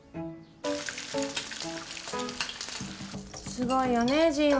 すごいよねジンは。